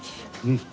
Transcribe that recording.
うん。